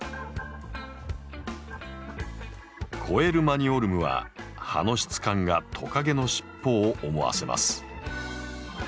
コエルマニオルムは葉の質感がトカゲの尻尾を思わせます。